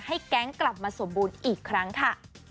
แก๊งกลับมาสมบูรณ์อีกครั้งค่ะ